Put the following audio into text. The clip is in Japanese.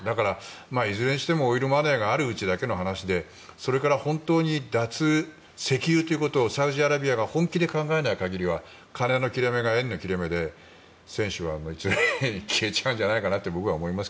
いずれにしてもオイルマネーがあるうちだけの話でそれから本当に脱石油ということをサウジアラビアが本気で考えない限りは金の切れ目が縁の切れ目で選手は消えちゃうんじゃないかなって